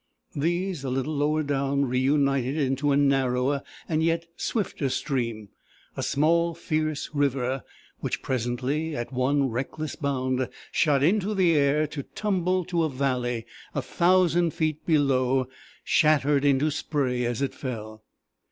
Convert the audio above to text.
These, a little lower down, reunited into a narrower and yet swifter stream a small fierce river, which presently, at one reckless bound, shot into the air, to tumble to a valley a thousand feet below, shattered into spray as it fell.